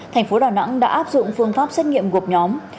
tp đà nẵng đã áp dụng phương pháp xét nghiệm gục nhóm